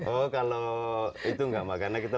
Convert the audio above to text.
oh kalau itu nggak karena kita